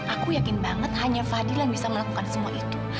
aku yakin banget hanya fadil yang bisa melakukan semua itu